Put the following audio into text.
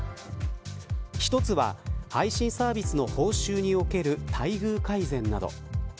一つは配信サービスの報酬における待遇改善など。